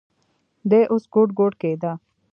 دى اوس ګوډ ګوډ کېده.